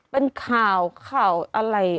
เป็นข่าวข่าวอะไร